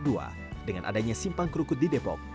dengan adanya simpang kerukut di depok